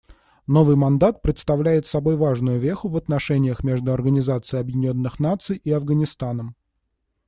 Новый мандат представляет собой важную веху в отношениях между Организацией Объединенных Наций и Афганистаном.